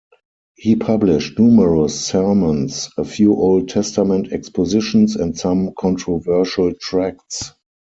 He published numerous sermons, a few Old Testament expositions and some controversial tracts.